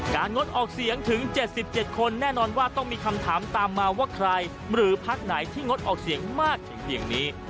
งดออกเสียงถึง๗๗คนแน่นอนว่าต้องมีคำถามตามมาว่าใครหรือพักไหนที่งดออกเสียงมากถึงเพียงนี้